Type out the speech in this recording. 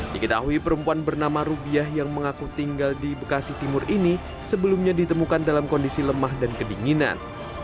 diketahui perempuan bernama rubiah yang mengaku tinggal di bekasi timur ini sebelumnya ditemukan dalam kondisi lemah dan kedinginan